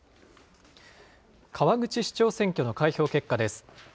川口市長選挙の開票結果です。